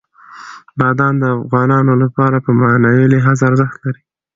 بادام د افغانانو لپاره په معنوي لحاظ ارزښت لري.